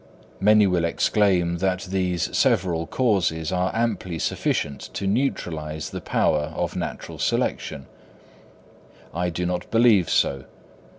Many will exclaim that these several causes are amply sufficient to neutralise the power of natural selection. I do not believe so.